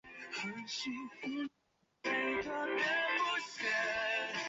熔岩表面之上显示有一圈磨损度一般的细薄坑壁。